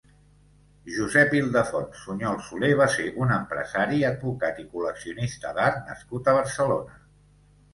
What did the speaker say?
Josep Ildefons Suñol Soler va ser un empresari, advocat i col·leccionista d'art nascut a Barcelona.